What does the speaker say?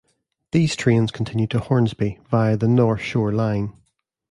These trains continue to Hornsby via the North Shore line.